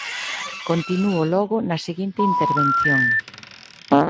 Continúo logo na seguinte intervención.